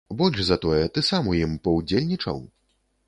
Больш за тое, ты сам у ім паўдзельнічаў?